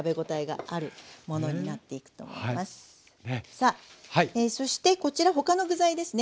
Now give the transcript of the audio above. さあそしてこちら他の具材ですね。